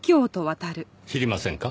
知りませんか？